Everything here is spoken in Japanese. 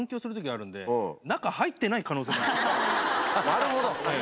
なるほど。